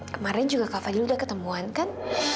kemarin juga kak fadil udah ketemuan kan